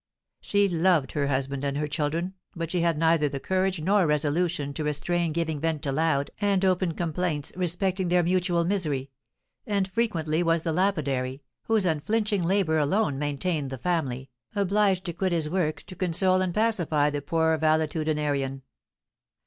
She loved her husband and her children, but she had neither the courage nor resolution to restrain giving vent to loud and open complaints respecting their mutual misery; and frequently was the lapidary, whose unflinching labour alone maintained the family, obliged to quit his work to console and pacify the poor valetudinarian.